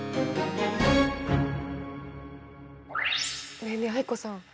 ねえねえ藍子さん